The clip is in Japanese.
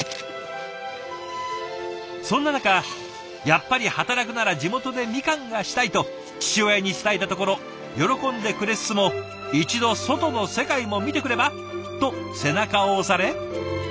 そんな中「やっぱり働くなら地元でみかんがしたい！」と父親に伝えたところ喜んでくれつつも「一度外の世界も見てくれば？」と背中を押され。